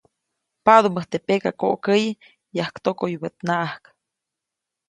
Mbaʼdumäjt teʼ pekakoʼkäyi yajktokoyubäʼtnaʼajk.